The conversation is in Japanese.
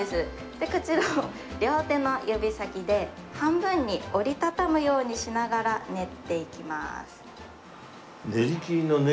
でこちらを両手の指先で半分に折り畳むようにしながら練っていきます。